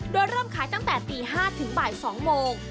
โดยเริ่มขายตั้งแต่ตี๕ถึงบ่าย๒โมง